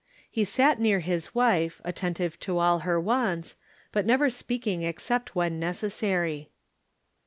He sat near his wife, attentive to all her wants, but never speaking except when necessary.